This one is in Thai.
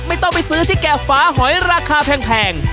ไม่ต้องไปซื้อที่แก่ฟ้าหอยราคาแพง